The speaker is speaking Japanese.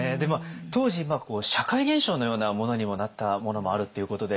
当時社会現象のようなものにもなったものもあるっていうことで。